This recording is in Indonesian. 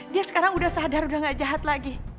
dia sekarang udah sadar udah gak jahat lagi